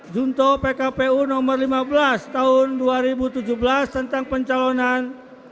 junto pkpu nomor lima belas tahun dua ribu tujuh belas tentang pencalonan